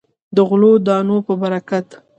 د غلو دانو په برکت.